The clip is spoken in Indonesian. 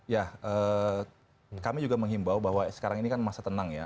ya kami juga menghimbau bahwa sekarang ini kan masa tenang ya